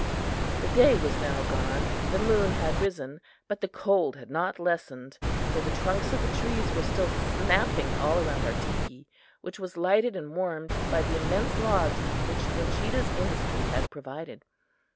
The day was now gone; the moon had risen; but the cold had not lessened, for the trunks of the trees were still snapping all around our teepee, which was lighted and warmed by the immense logs which Uncheedah's industry had provided.